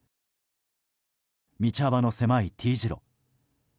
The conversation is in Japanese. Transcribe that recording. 道幅の狭いＴ字路。